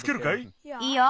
いいよ。